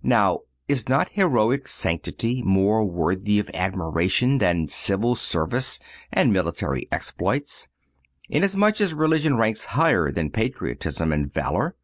Now is not heroic sanctity more worthy of admiration than civil service and military exploits, inasmuch as religion ranks higher than patriotism and valor?